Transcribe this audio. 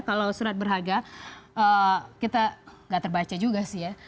kalau surat berharga kita nggak terbaca juga sih ya